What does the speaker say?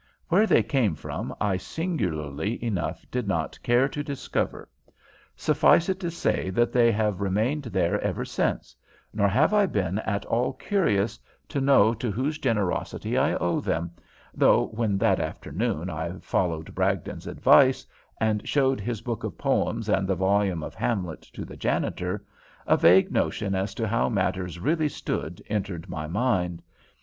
Where they came from I singularly enough did not care to discover; suffice it to say that they have remained there ever since, nor have I been at all curious to know to whose generosity I owe them, though when that afternoon I followed Bragdon's advice, and showed his book of poems and the volume of Hamlet to the janitor, a vague notion as to how matters really stood entered my mind.